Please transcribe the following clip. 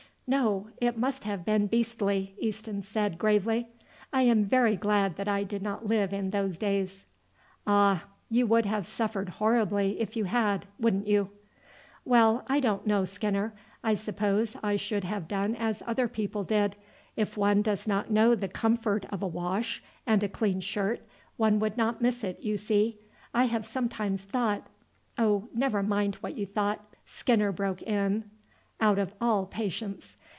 "No; it must have been beastly," Easton said gravely. "I am very glad that I did not live in those days." "Ah, you would have suffered horribly if you had, wouldn't you?" "Well, I don't know, Skinner; I suppose I should have done as other people did. If one does not know the comfort of a wash and a clean shirt, one would not miss it, you see. I have sometimes thought " "Oh, never mind what you thought," Skinner broke in out of all patience.